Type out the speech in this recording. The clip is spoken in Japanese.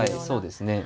そうですね。